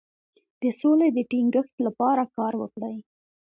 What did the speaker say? د سولې د ټینګښت لپاره کار وکړئ.